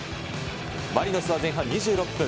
マリノスは前半２６分。